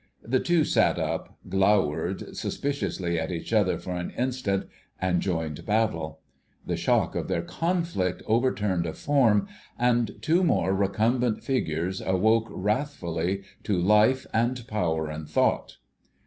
The two sat up, glowered suspiciously at each other for an instant, and joined battle. The shock of their conflict overturned a form, and two more recumbent figures awoke wrathfully to "life and power and thought."